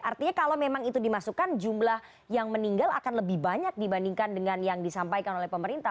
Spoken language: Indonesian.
artinya kalau memang itu dimasukkan jumlah yang meninggal akan lebih banyak dibandingkan dengan yang disampaikan oleh pemerintah